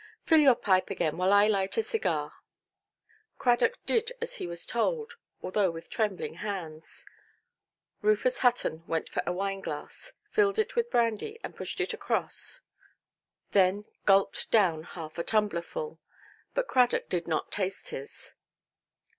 "Fill your pipe again, while I light a cigar". Cradock did as he was told, although with trembling hands. Rufus Hutton went for a wine–glass, filled it with brandy, and pushed it across, then gulped down half a tumblerful; but Cradock did not taste his.